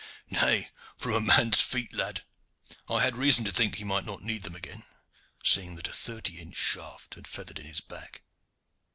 "Nay, from a man's feet, lad. I had reason to think that he might not need them again, seeing that a thirty inch shaft had feathered in his back."